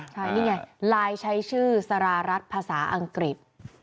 ใช่นี่ไงไลน์ใช้ชื่อสารารัฐภาษาอังกฤษ